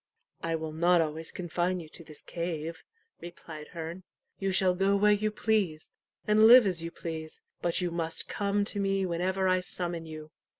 "I will not always confine you to this cave," replied Herne. "You shall go where you please, and live as you please, but you must come to me whenever I summon you."